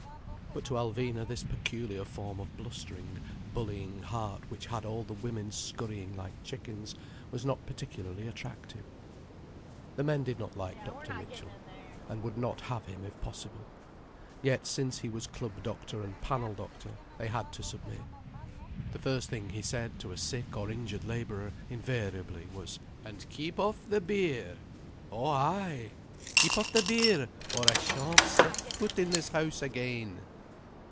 But to Alvina this peculiar form of blustering, bullying heart which had all the women scurrying like chickens was not particularly attractive. The men did not like Dr. Mitchell, and would not have him if possible. Yet since he was club doctor and panel doctor, they had to submit. The first thing he said to a sick or injured labourer, invariably, was: "And keep off the beer." "Oh ay!" "Keep off the beer, or I shan't set foot in this house again."